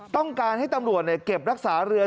ต้องการให้ตำรวจเก็บรักษาเรือ